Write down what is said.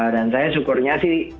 dan saya syukurnya sih